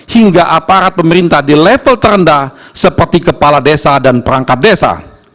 hingga aparat pemerintah di level terendah seperti kepala desa dan perangkat desa